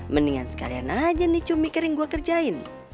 mendingan sekalian aja nih cumi kering gue kerjain